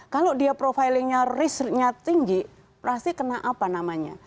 kalau dia profilingnya risknya tinggi pasti kena apa namanya